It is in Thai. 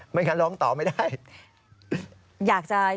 ไม่งั้นร้องต่อไม่ได้